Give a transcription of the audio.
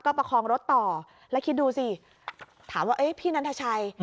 ประคองรถต่อแล้วคิดดูสิถามว่าพี่นันทชัย